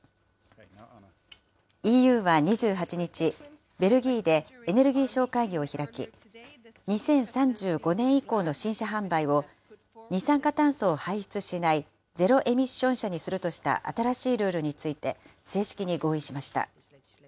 ＥＵは２８日、ベルギーで、エネルギー相会議を開き、２０３５年以降の新車販売を、二酸化炭素を排出しないゼロエミッション車にするとした新しいルールについて正式に合意しました。